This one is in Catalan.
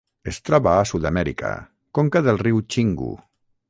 Es troba a Sud-amèrica: conca del riu Xingu.